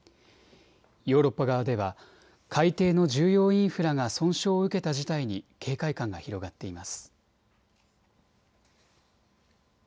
ヨーロッパ側では海底の重要インフラが損傷を受けた事態に警戒感が広がっています。